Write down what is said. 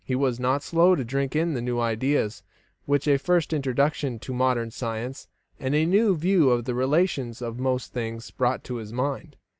He was not slow to drink in the new ideas which a first introduction to modern science, and a new view of the relations of most things, brought to his mind.